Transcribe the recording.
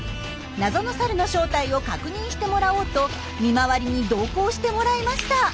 謎のサルの正体を確認してもらおうと見回りに同行してもらいました。